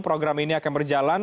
program ini akan berjalan